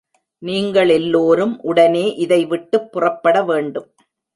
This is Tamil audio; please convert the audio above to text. நீங்களெல்லோரும் உடனே இதை விட்டுப் புறப்பட வேண்டும்.